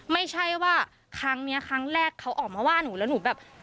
ไม่ใช่ว่าครั้งนี้ครั้งแรกเขาออกมาว่าหนูแล้วหนูแบบ